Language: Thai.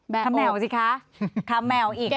แบบโอ้เก็บข้างคำแหมวสิคะ